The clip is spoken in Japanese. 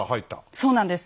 そうなんです。